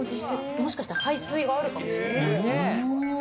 もしかしたら排水があるかも。